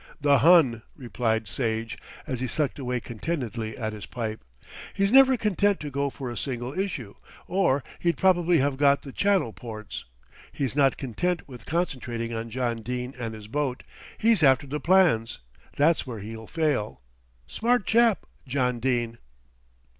"The Hun," replied Sage, as he sucked away contentedly at his pipe. "He's never content to go for a single issue, or he'd probably have got the Channel ports. He's not content with concentrating on John Dene and his boat, he's after the plans. That's where he'll fail. Smart chap, John Dene."